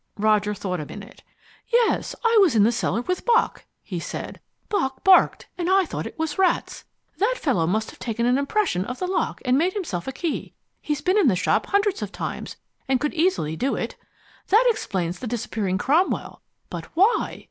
Roger thought a minute. "Yes, I was in the cellar with Bock," he said. "Bock barked, and I thought it was rats. That fellow must have taken an impression of the lock and made himself a key. He's been in the shop hundreds of times, and could easily do it. That explains the disappearing Cromwell. But WHY?